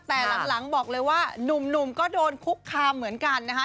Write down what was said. แต่หลังบอกเลยว่านุ่มก็โดนคุกคามเหมือนกันนะคะ